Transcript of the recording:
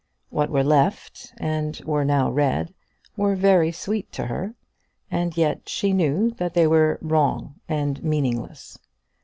What were left, and were now read, were very sweet to her, and yet she knew that they were wrong and meaningless.